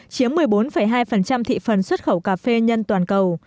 chiếm một mươi bốn hai thị phần xuất khẩu cà phê nhân toàn cầu